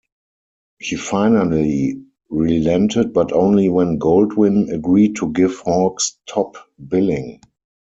He finally relented but only when Goldwyn agreed to give Hawks top billing.